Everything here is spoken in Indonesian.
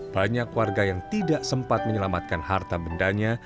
banyak warga yang tidak sempat menyelamatkan harta bendanya